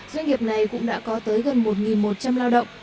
doanh nghiệp này cũng đã có tới gần một một trăm linh lao động